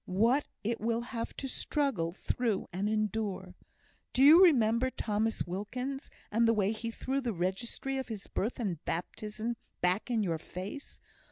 what it will have to struggle through and endure! Do you remember Thomas Wilkins, and the way he threw the registry of his birth and baptism back in your face?